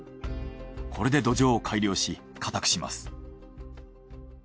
これで土壌を改良し固くします。